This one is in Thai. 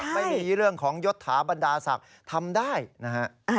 ไม่มีเรื่องของยศถาบรรดาศักดิ์ทำได้นะฮะ